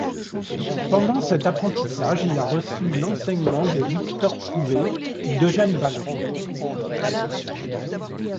Pendant cet apprentissage, il a reçu l'enseignement de Victor Prouvé ou d'Eugène Vallin.